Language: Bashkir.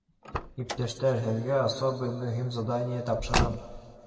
— Иптәштәр, һеҙгә особый мөһим задание тапшырам.